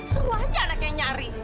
seru aja anaknya nyari